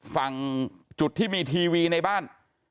ฝั่งจุดที่มีทีวีในบ้าน